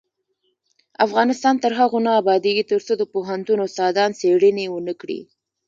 افغانستان تر هغو نه ابادیږي، ترڅو د پوهنتون استادان څیړنې ونکړي.